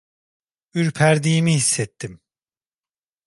Ürperdiğimi hissettim.